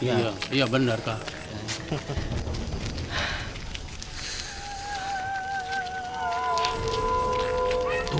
iya bener kak